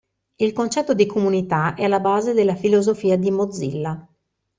Il concetto di comunità è alla base della filosofia di Mozilla.